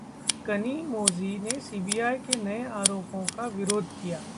कनिमोझी ने सीबीआई के नये आरोपों का विरोध किया